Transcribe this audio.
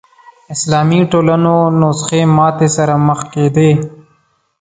اسلامي ټولنو نسخې ماتې سره مخ کېدې